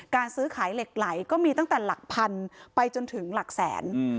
ซื้อขายเหล็กไหลก็มีตั้งแต่หลักพันไปจนถึงหลักแสน